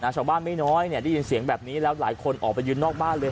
ชาวบ้านไม่น้อยได้ยินเสียงแบบนี้แล้วหลายคนออกไปยืนนอกบ้านเลย